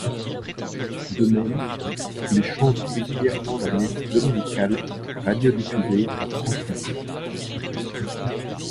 De même, ils chantent régulièrement la messe dominicale, radio-diffusée par France Culture.